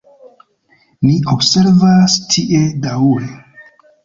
Ni observas tie daŭre.